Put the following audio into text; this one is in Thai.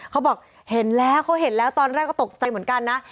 เขาบอกเห็นแล้วเขาเห็นแล้วตอนแรกก็ตกใจเหมือนกันนะ